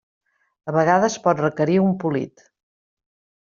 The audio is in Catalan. A vegades pot requerir un polit.